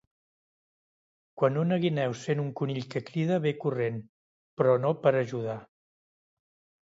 Quan una guineu sent un conill que crida ve corrent, però no per ajudar.